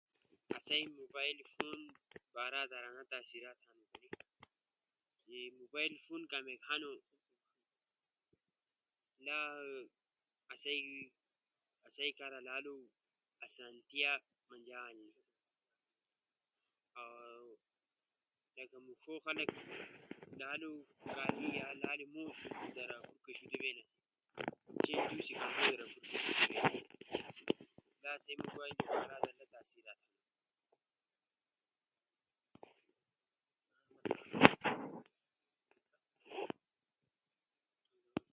آسئی موبائل فون در انا تاثرات ہنو کنأ، جے موبائل فون کامیک ہنو، آسئی کارا لالو آسانتیا منجا ہنی۔ اؤ لکہ موݜو خلق لالو سادا یا لالو موڙو در اکو شود بئینا۔